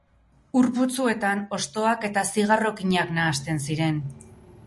Ur putzuetan hostoak eta zigarrokinak nahasten ziren.